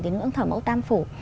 tiến ưỡng thở mẫu tam phủ